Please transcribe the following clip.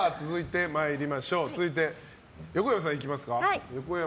続いて、横山さんいきますか。